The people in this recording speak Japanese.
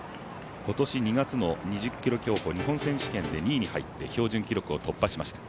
今年２月の２０ｋｍ競歩日本選手権で２位に入って標準記録を突破しました